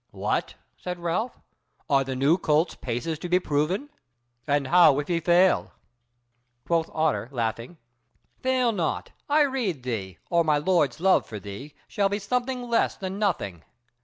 "What?" said Ralph, "are the new colt's paces to be proven? And how if he fail?" Quoth Otter, laughing: "Fail not, I rede thee, or my lord's love for thee shall be something less than nothing."